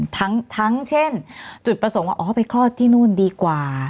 ทั้งเช่นจุดประสงค์ว่าอ๋อไปคลอดที่นู่นดีกว่า